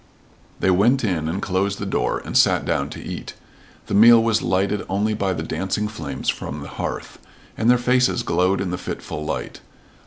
They went in and closed the door, and sat down to eat. The meal was lighted only by the dancing flames from the hearth, and their faces glowed in the fitful light.